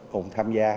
cùng tham gia